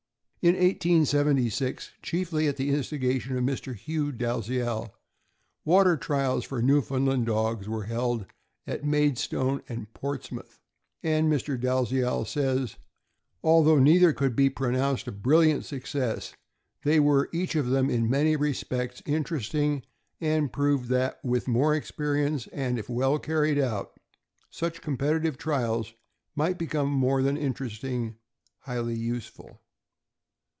In 1876, chieily at the instigation of Mr. Hugh Dalziel, water trials for Newfoundland dogs were held at Maid stone and Portsmouth, and Mr. Dalziel says: Although neither could be pronounced a brilliant success, they were each of them, in many respects, interesting, and proved that, with more expe rience, and if well carried out, such competitive trials might become more than interesting — highly useful.